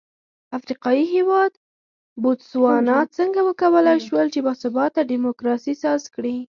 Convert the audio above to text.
افریقايي هېواد بوتسوانا څنګه وکولای شول چې با ثباته ډیموکراسي ساز کړي.